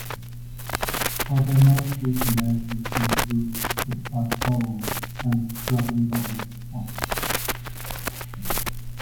Other notable commercials include the "Bud Bowl" and "Scrubbing Bubbles" spots.